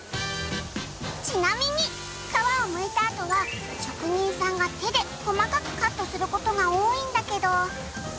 ちなみに皮をむいたあとは職人さんが手で細かくカットする事が多いんだけど。